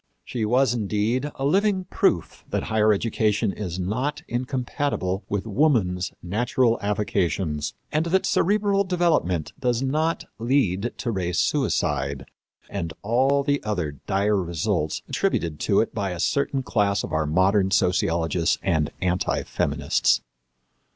She was, indeed, a living proof that higher education is not incompatible with woman's natural avocations; and that cerebral development does not lead to race suicide and all the other dire results attributed to it by a certain class of our modern sociologists and anti feminists.